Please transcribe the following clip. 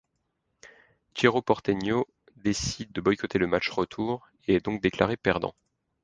Cerro Porteño décide de boycotter le match retour et est donc déclaré perdant.